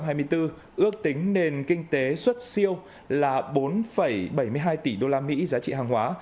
ba tháng đầu năm hai nghìn hai mươi bốn ước tính nền kinh tế xuất siêu là bốn bảy mươi hai tỷ usd giá trị hàng hóa